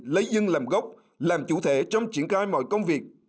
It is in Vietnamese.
lấy dân làm gốc làm chủ thể trong triển khai mọi công việc